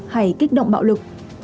hay kích động bạo lực